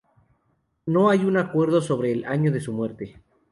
No hay un acuerdo sobre el año de su muerte.